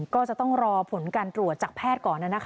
ก็จะต้องรอผลการตรวจจากแพทย์ก่อน